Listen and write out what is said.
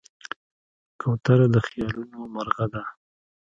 کوتره د خیالونو مرغه ده.